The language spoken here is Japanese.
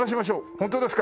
「本当ですか！！」